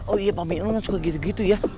oh iya pak miun suka gitu gitu ya